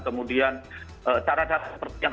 kemudian cara cara yang